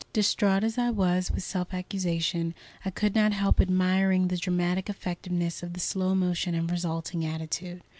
Distraught as I was with self accusation, I could not help admiring the dramatic effectiveness of the slow motion and resulting attitude.